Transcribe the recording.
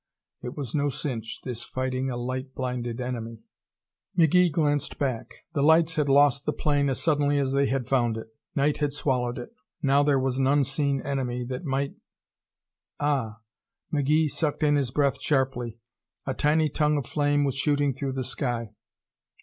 It was no cinch, this fighting a light blinded enemy. McGee glanced back. The lights had lost the plane as suddenly as they had found it. Night had swallowed it. Now there was an unseen enemy that might Ah! McGee sucked in his breath sharply. A tiny tongue of flame was shooting through the sky.